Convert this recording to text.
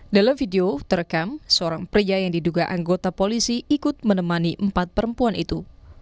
dalam video terekam seorang pria yang diduga anggota polisi ikut menemani empat perempuan itu